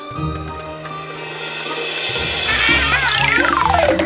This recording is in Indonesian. makanya kita denger